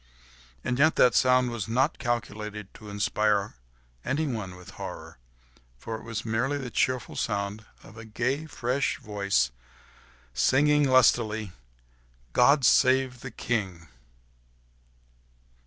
And yet that sound was not calculated to inspire anyone with horror, for it was merely the cheerful sound of a gay, fresh voice singing lustily, "God save the King!"